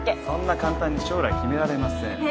そんな簡単に将来決められません。